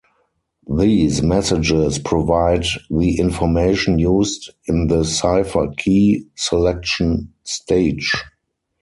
These messages provide the information used in the cipher key selection stage.